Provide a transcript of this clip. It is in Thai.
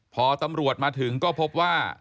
พอตำรวจมาถึงก็พบว่า